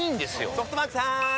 ソフトバンクさーん！